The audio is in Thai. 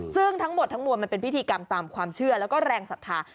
ซึ่งทั้งหมดทั้งมวลมันเป็นพิธีกรรมตามความเชื่อแล้วก็แรงศรัทธา